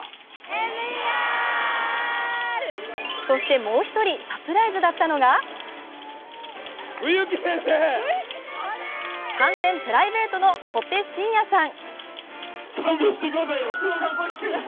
そしてもう１人、サプライズだったのが完全プライベートの小手伸也さん。